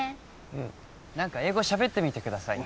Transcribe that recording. うん何か英語しゃべってみてくださいよ